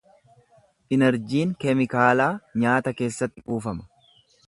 Inerjiin keemikaalaa nyaata keessatti kuufama.